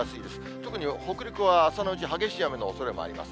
特に北陸は朝のうち激しい雨のおそれもあります。